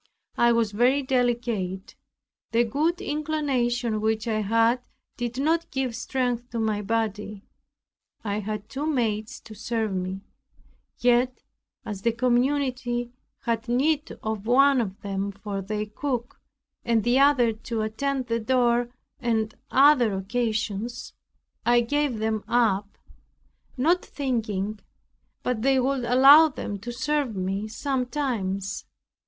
I was very delicate, the good inclination which I had did not give strength to my body. I had two maids to serve me; yet, as the community had need of one of them for their cook, and the other to attend the door and other occasions, I gave them up, not thinking but they would allow them to serve me sometimes.